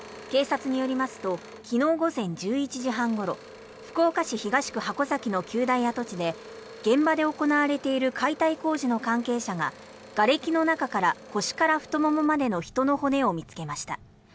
警察によりますと昨日午前１１時半ごろ福岡市東区箱崎の九大跡地で現場で行われている解体工事の関係者ががれきの中から腰から太ももまでの人の骨を見つけました。